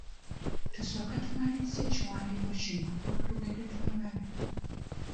Tusooke tumalirize ekiwandiiko kino olwo tugende tumulabe.